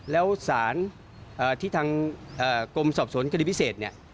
แล้วสารที่ทางกรมสอบสวนคดีพิเศษเนี่ย